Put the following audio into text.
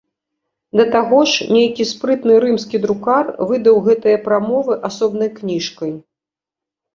Да таго ж нейкі спрытны рымскі друкар выдаў гэтыя прамовы асобнай кніжкай.